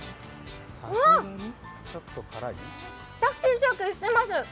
シャキシャキしてます。